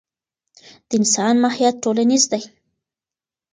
د انسان ماهیت ټولنیز دی.